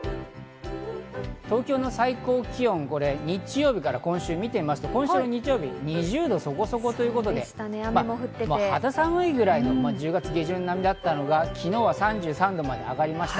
東京の最高気温、日曜日から今週を見てみますと日曜日は２０度そこそこ、肌寒いぐらい、１０月下旬並みだったのが昨日は３３度まで上がりました。